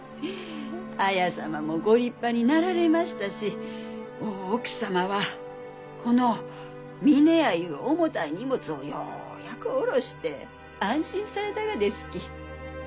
綾様もご立派になられましたし大奥様はこの峰屋ゆう重たい荷物をようやく下ろして安心されたがですき。